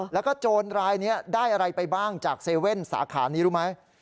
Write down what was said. แล้วก็โจรรายนี้ได้อะไรไปบ้างจาก๗๑๑สาขานี้รู้ไหม